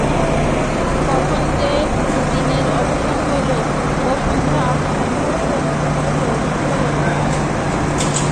কখন যে দিনের অবসান হইল ও সন্ধ্যার আরম্ভ হইল বুঝা গেল না।